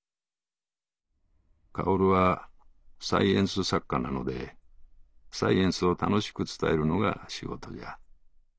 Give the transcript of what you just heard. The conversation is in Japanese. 薫はサイエンス作家なのでサイエンスを楽しく伝えるのが仕事じゃ」。